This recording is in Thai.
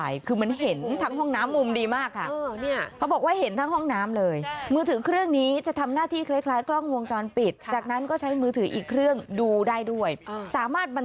ลืมไว้ในห้องน้ำ